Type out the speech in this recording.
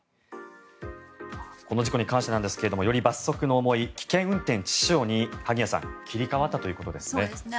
この事故に関してなんですけれどもより罰則の重い危険運転致死傷に萩谷さん切り替わったということですね。